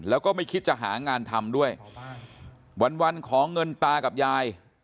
แล้วก็ไม่คิดจะหางานทำด้วยวันวันขอเงินตากับยาย